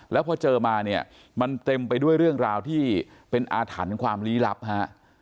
แล้วพอเจอมาเนี่ยมันเต็มไปด้วยเรื่องราวที่เป็นอาถรรพ์ความลี้ลับฮะ